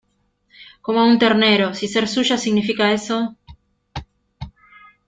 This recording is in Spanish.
como a un ternero. si ser tuya significa eso ...